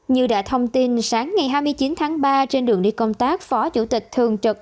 như đã thông tin sáng ngày hai mươi chín tháng ba trên đường đi công tác phó chủ tịch thường trực